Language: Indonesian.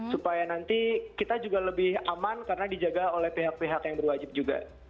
supaya nanti kita juga lebih aman karena dijaga oleh pihak pihak yang berwajib juga